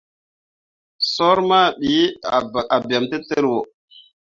Soor mah ɓii ah bem tǝtǝlliwo.